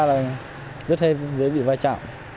là rất hay dễ bị vai trọng